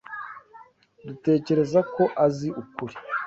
Dutekereza ko azi ukuri.